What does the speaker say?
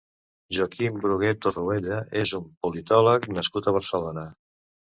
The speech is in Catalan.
Joaquim Brugué Torruella és un politòleg nascut a Barcelona.